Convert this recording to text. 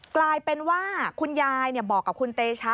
กลายเป็นว่าคุณยายบอกกับคุณเตชะ